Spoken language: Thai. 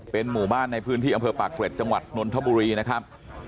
เป็นหมู่บ้านในพื้นที่อำเภอปากเกร็ดจังหวัดนนทบุรีนะครับ